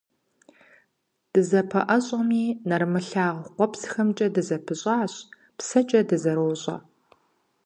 Дызэпэӏэщӏэми, нэрымылъагъу къуэпсхэмкӏэ дызэпыщӏащ, псэкӏэ дызэрощӏэ.